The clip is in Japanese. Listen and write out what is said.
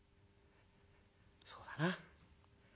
「そうだな。